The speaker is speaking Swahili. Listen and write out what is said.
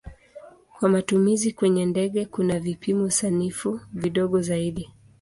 Kwa matumizi kwenye ndege kuna vipimo sanifu vidogo zaidi.